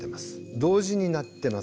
同時に鳴ってますね。